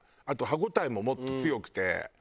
あと歯応えももっと強くて。